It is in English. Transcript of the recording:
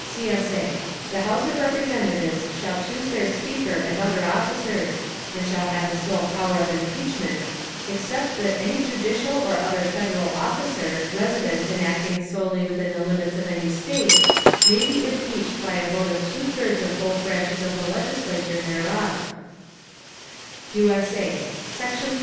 [CSA] The House of Representatives shall choose their Speaker and other officers; and shall have the sole power of impeachment, _except that any judicial or other Federal officer, resident and acting solely within the limits of any State, may be impeached by a vote of two thirds of both branches of the Legislature thereof_. [USA] Section 3.